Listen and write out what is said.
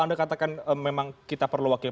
anda katakan memang kita perlu wakil